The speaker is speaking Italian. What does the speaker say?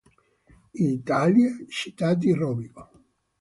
Italia, città di Rovigo.